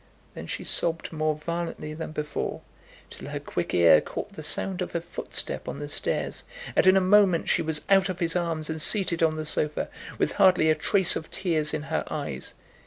Then she sobbed more violently than before, till her quick ear caught the sound of a footstep on the stairs, and in a moment she was out of his arms and seated on the sofa, with hardly a trace of tears in her eyes.